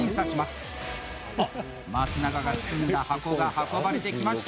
あっ、松永が包んだ箱が運ばれてきました！